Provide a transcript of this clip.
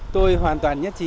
tôi hoàn toàn nhất trí